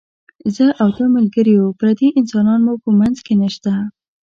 زه او ته ملګري یو، پردي انسانان مو په منځ کې نشته.